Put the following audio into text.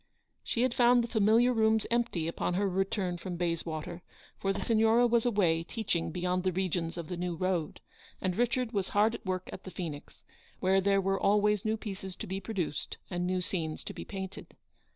She had found the familiar rooms empty upon her return from Bayswater, for the Signora was away teaching beyond the regions of the New Road, and Richard was hard at work at the Phoenix, where there were always new pieces to be produced and new scenes to be painted.